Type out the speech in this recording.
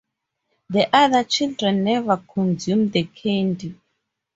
The other children never consumed the candy.